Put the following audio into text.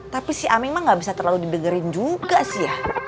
tapi si aming mah gak bisa terlalu didengerin juga sih ya